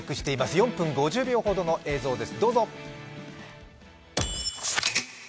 ４分５０秒ほどの映像です。